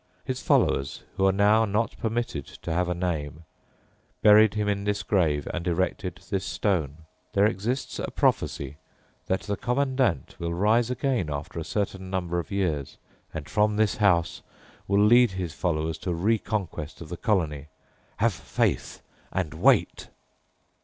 His followers, who are now not permitted to have a name, buried him in this grave and erected this stone. There exists a prophecy that the Commandant will rise again after a certain number of years and from this house will lead his followers to a re conquest of the colony. Have faith and wait!"